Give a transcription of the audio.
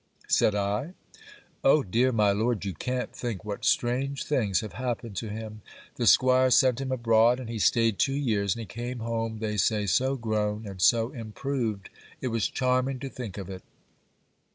said I. 'Oh dear, my Lord, you can't think what strange things have happened to him! The 'Squire sent him abroad and he staid two years and he came home they say so grown and so improved, it was charming to think of it!